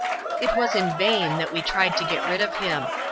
It was in vain, that we tried to get rid of him.